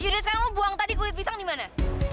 yaudah sekarang lo buang tadi kulit pisang dimana